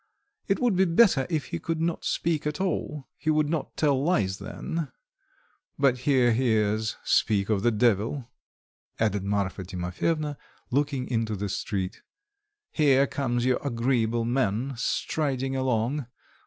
It would be better if he could not speak at all; he would not tell lies then. But here he is speak of the devil," added Marfa Timofyevna looking into the street. "Here comes your agreeable man striding along.